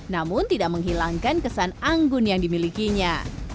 namun tidak menghilangkan kesan anggun yang dimilikinya